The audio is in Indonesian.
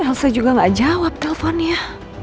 elsa juga gak jawab teleponnya